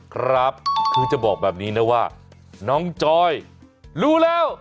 ครับคือจะบอกแบบนี้นะว่าน้องจอยรู้แล้ว